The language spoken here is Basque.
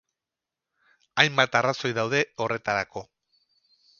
Hainbat arrazoi daude horretarako